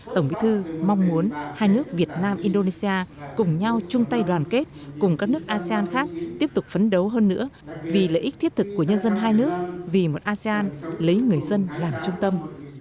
tổng bí thư mong muốn hai nước việt nam indonesia cùng nhau chung tay đoàn kết cùng các nước asean khác tiếp tục phấn đấu hơn nữa vì lợi ích thiết thực của nhân dân hai nước vì một asean lấy người dân làm trung tâm